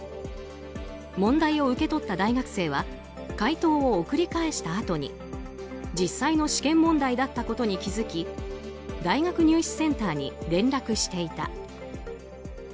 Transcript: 問題を受け取った大学生は解答を送り返したあとに実際の試験問題だったことに気づき大学入試センターに連絡していた。